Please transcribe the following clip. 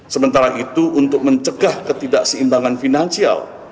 sementara itu untuk mencegah ketidakseimbangan finansial